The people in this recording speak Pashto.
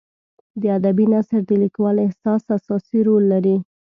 د ادبي نثر د لیکوال احساس اساسي رول لري.